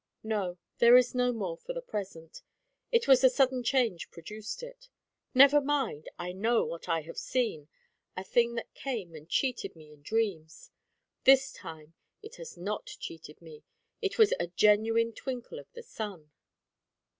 No, there is no more for the present, it was the sudden change produced it. Never mind; I know what I have seen, a thing that came and cheated me in dreams; this time it has not cheated me; it was a genuine twinkle of the sun.